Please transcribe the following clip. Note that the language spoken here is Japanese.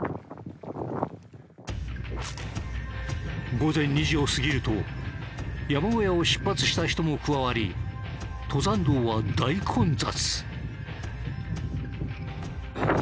午前２時を過ぎると山小屋を出発した人も加わり登山道は大混雑。